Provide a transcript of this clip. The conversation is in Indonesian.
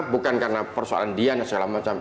bukan karena persoalan dianya segala macam